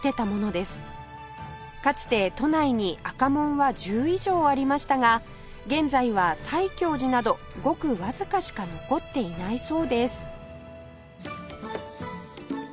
かつて都内に赤門は１０以上ありましたが現在は西教寺などごくわずかしか残っていないそうです